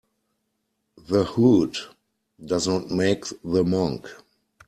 The hood does not make the monk.